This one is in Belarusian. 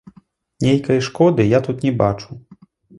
Нейкай шкоды я тут не бачу.